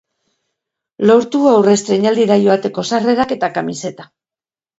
Lortu aurrestreinaldira joateko sarrerak eta kamiseta.